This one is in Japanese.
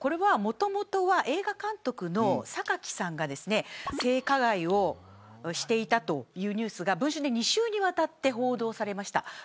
もともとは映画監督の榊さんが性加害をしていたというニュースが文春で２週にわたって報道されました。